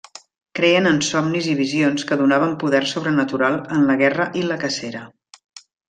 Creien en somnis i visions que donaven poder sobrenatural en la guerra i la cacera.